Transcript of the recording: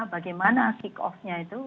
bagaimana kick off nya itu